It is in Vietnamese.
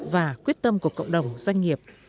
và quyết tâm của cộng đồng doanh nghiệp